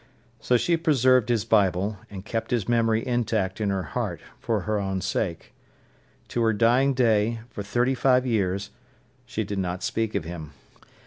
So she preserved his Bible, and kept his memory intact in her heart, for her own sake. To her dying day, for thirty five years, she did not speak of him.